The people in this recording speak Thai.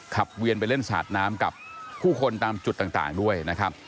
เวียนไปเล่นสาดน้ำกับผู้คนตามจุดต่างด้วยนะครับ